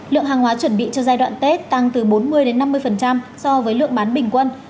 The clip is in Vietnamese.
lượng hàng hóa chuẩn bị cho giai đoạn tết tăng từ bốn mươi năm mươi so với lượng bán bình quân